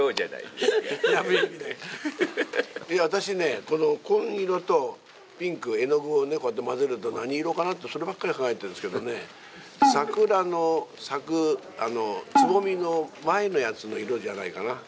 私ね、この紺色とピンクを絵の具を混ぜるとね、何色かなって、そればっかり考えてるんですけどね、桜の咲くつぼみの前のやつの色じゃないかな。